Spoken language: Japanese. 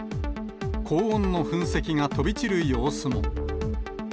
高温の噴石が飛び散る様子も。